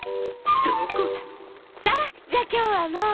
どこがさあじゃあ今日はもう。